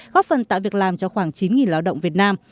góp phần tạo việc làm cho khoảng chín lao động việt nam